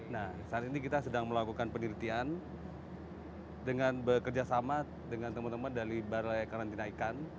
nah saat ini kita sedang melakukan penelitian dengan bekerjasama dengan teman teman dari balai karantina ikan